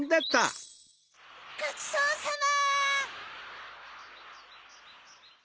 ごちそうさま！